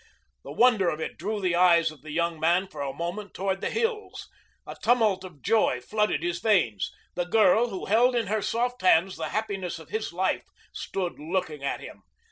The wonder of it drew the eyes of the young man for a moment toward the hills. A tumult of joy flooded his veins. The girl who held in her soft hands the happiness of his life stood looking at him.